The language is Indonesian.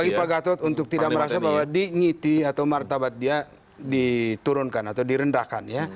bagi pak gatot untuk tidak merasa bahwa digniti atau martabat dia diturunkan atau direndahkan ya